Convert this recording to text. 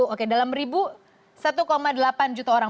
oke dalam ribu satu delapan juta orang